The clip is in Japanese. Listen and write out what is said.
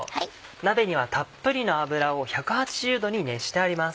鍋にはたっぷりの油を１８０度に熱してあります。